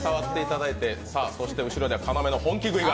そして後ろでは要の本気食いが。